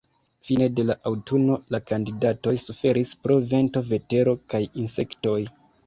Fine de la aŭtuno la kandidatoj suferis pro vento, vetero kaj insektoj.